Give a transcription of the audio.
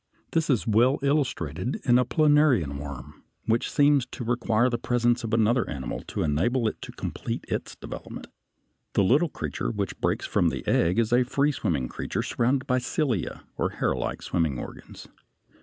This is well illustrated in a planarian worm (Fig. 60), which seems to require the presence of another animal to enable it to complete its development. The little creature which breaks from the egg (A) is a free swimming creature surrounded by cilia or hairlike swimming organs.